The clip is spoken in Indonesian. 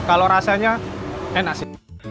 kalau rasanya enak sih